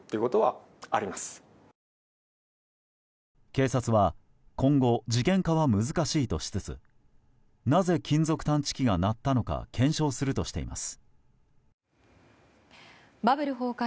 警察は今後事件化は難しいとしつつなぜ金属探知機が鳴ったのか検証するとしています。